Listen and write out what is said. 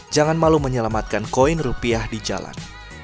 jangan malu menyelamatkan koin rupiah di jalan